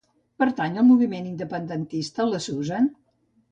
Pertany al moviment independentista la Susan?